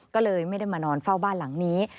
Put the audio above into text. ก็เลยไม่ได้มานอนเฝ้าบ้านหลังนี้